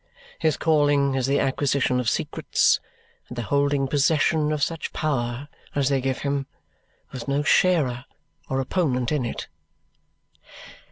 His calling is the acquisition of secrets and the holding possession of such power as they give him, with no sharer or opponent in it."